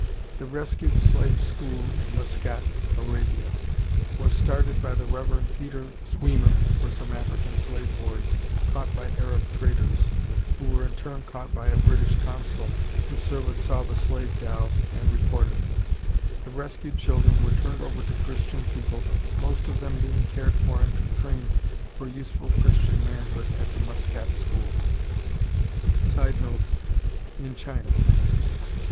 The rescued slave school in Muscat, Arabia, was started by the Rev. Peter Zwemer for some African slave boys caught by Arab traders, who were in turn caught by a British consul whose servant saw the slave dhow and reported it. The rescued children were turned over to Christian people, most of them being cared for and trained for useful Christian manhood at the Muscat school. [Sidenote: In China.